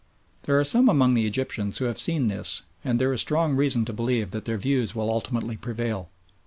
There are some among the Egyptians who have seen this, and there is strong reason to believe that their views will ultimately prevail.